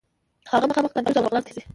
هغه مخامخ قندوز او بغلان ته ځي.